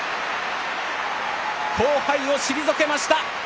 後輩を退けました。